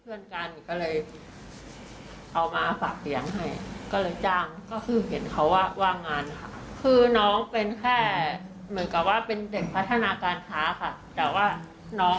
ยังไงคุณแม่ก็ไม่เชื่อคำที่คุณทัสพอร์ตกลับอ้าวว่าน้องเนี่ยเกิดประติเหมือนเอง